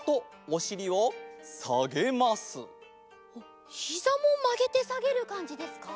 おっひざもまげてさげるかんじですか？